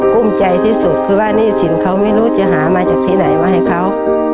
ภูมิใจที่สุดคือว่าหนี้สินเขาไม่รู้จะหามาจากที่ไหนมาให้เขา